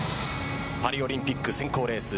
パリオリンピック選考レース